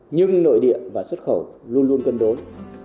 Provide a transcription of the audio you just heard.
nhưng nội địa và xuất khẩu luôn luôn cân đối